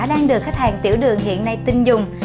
đang được khách hàng tiểu đường hiện nay tin dùng